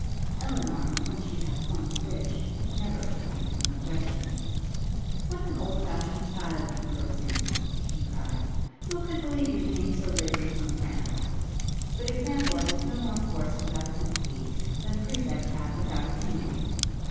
Elinor, when she had formed a wish, never listened to an objection. 'What an old fashioned style you prose in!' she cried; 'who could believe you came so lately from France? But example has no more force without sympathy, than precept had without opinion!